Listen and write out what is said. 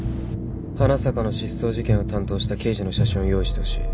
花坂の失踪事件を担当した刑事の写真を用意してほしい